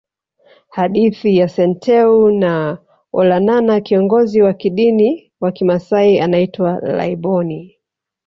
Hadithi ya Senteu na Olanana Kiongozi wa kidini wa kimasai anaitwa Laiboni